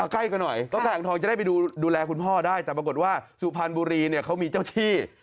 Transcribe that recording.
ใกล้กันหน่อยเพราะทางอ่างทองจะได้ไปดูแลคุณพ่อได้แต่ปรากฏว่าสุพรรณบุรีเนี่ยเขามีเจ้าที่